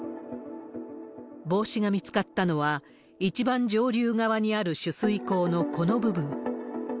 帽子が見つかったのは、一番上流側にある取水口のこの部分。